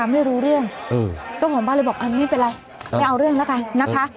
ไม่รู้เรื่องเจ้าของบ้านเลยบอกไม่เป็นไรไม่เอาเรื่องแล้วกันนะคะ